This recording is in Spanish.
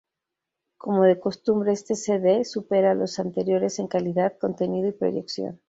Como de costumbre este cd supera a los anteriores en calidad, contenido y proyección.